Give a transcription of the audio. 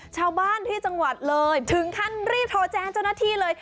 ชาวบ้านที่จังหวัดเลยถึงขั้นรีบโทรแจ้งเจ้าหน้าที่เลย